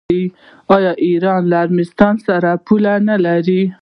آیا ایران له ارمنستان سره پوله نلري؟